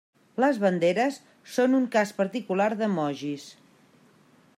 Les banderes són un cas particular d'emojis.